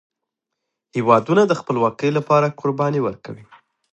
هیوادونه د خپلواکۍ لپاره قربانۍ ورکوي.